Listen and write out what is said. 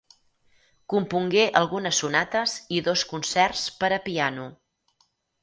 Compongué algunes sonates i dos concerts per a piano.